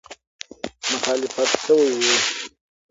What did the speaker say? مخالفت سوی وو.